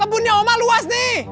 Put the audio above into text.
kebunnya omak luas nih